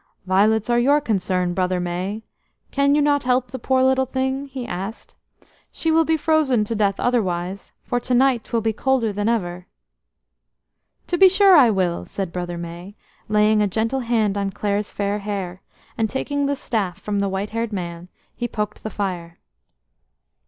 "Violets are your concern, Brother May. Cannot you help the poor little thing?" he asked. "She will be frozen to death otherwise, for to night 'twill be colder than ever." "To be sure I will," said Brother May, laying a gentle hand on Clare's fair hair; and taking the staff from the white haired man, he poked the fire.